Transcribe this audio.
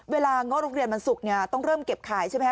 เวลาง้อโรงเรียนมันสุขเนี้ยต้องเริ่มเก็บขายใช่ไหมฮะ